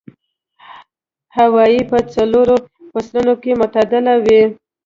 هوا يې په څلورو فصلونو کې معتدله وي.